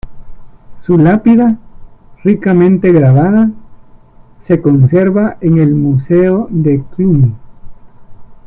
Su lápida, ricamente grabada, se conserva en el Museo de Cluny.